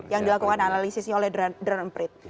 yang dilakukan analisisnya oleh dren prit